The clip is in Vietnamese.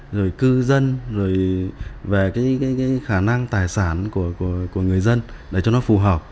rồi cư dân rồi về cái khả năng tài sản của người dân để cho nó phù hợp